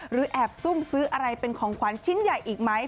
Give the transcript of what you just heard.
แอบซุ่มซื้ออะไรเป็นของขวัญชิ้นใหญ่อีกไหม